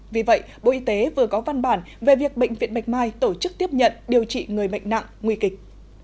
vì vậy bộ y tế vừa có văn bản về việc bệnh viện bạch mai tổ chức tiếp nhận điều trị người bệnh nặng nguy kịch